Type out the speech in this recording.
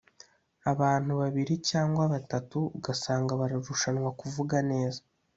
abantu babiri cyangwa batatu ugasanga bararushanwa kuvuga neza